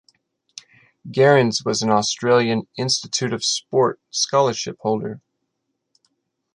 Gerrans was an Australian Institute of Sport scholarship holder.